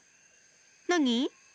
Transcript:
なに？